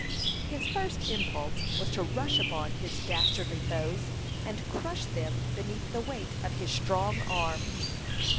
His first impulse was to rush upon his dastardly foes, and crush them beneath the weight of his strong arm.